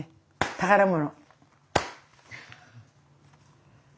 宝物。